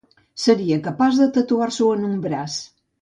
Seria capaç de tatuar-s'ho en un braç.